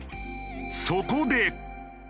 そこで。